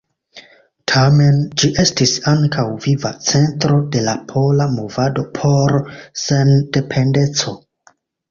Tamen ĝi estis ankaŭ viva centro de la pola movado por sendependeco.